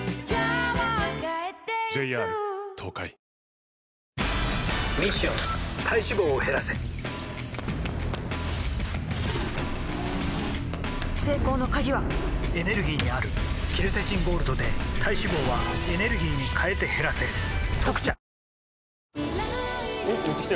ミッション体脂肪を減らせ成功の鍵はエネルギーにあるケルセチンゴールドで体脂肪はエネルギーに変えて減らせ「特茶」